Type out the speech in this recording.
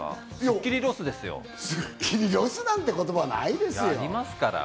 スッキリロ「スッキリロス」なんて言葉はないですよ。